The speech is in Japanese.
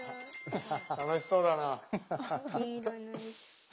楽しそうだな。